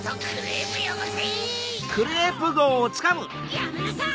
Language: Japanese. やめなさい！